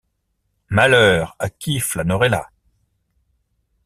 Malheur à qui flânerait là!